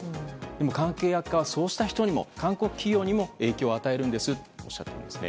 でも、関係悪化はそうした人にも韓国企業にも影響を与えるんですよとおっしゃっていまして。